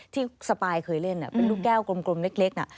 สปายเคยเล่นเป็นลูกแก้วกลมเล็กน่ะ